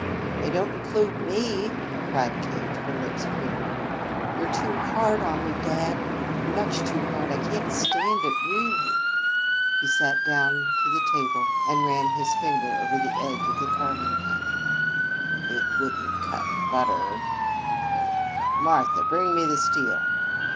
"They don't include me!" cried Kate, her lips quivering. "You're too hard on me, dad, much too hard. I can't stand it, really." He sat down to the table and ran his finger over the edge of the carving knife. "It wouldn't cut butter," he declared. "Martha, bring me the steel!"